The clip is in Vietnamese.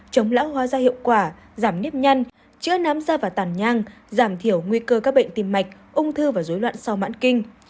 chống lão hóa da hiệu quả giảm nếp nhăn chữa nám da và tản nhang giảm thiểu nguy cơ các bệnh tim mạch ung thư và dối loạn sau mãn kinh